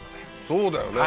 そうだよね